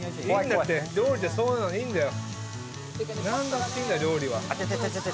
料理はそういうのでいいんだよ。